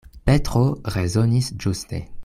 Petro rezonis ĝuste.